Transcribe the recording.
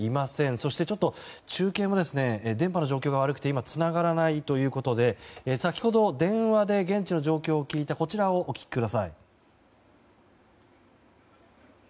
そして、中継も電波の状況が悪くて今、つながらないということで先ほど電話で現地の状況を聞いたこちらをお聞きください。